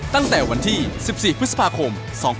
ตั้งแต่วันที่๑๔พฤษภาคม๒๕๖๒